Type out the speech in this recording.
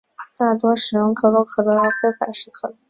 大多使用可口可乐而非百事可乐。